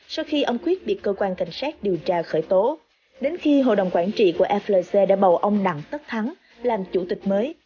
sau khi ông quyết bị cơ quan cảnh sát điều tra khởi tố đến khi hội đồng quản trị của flc đã bầu ông đặng tất thắng làm chủ tịch mới